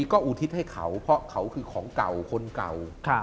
ก็อุทิศให้เขาเพราะเขาคือของเก่าคนเก่า